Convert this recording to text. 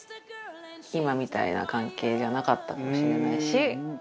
今みたいな関係じゃなかったかもしれないし。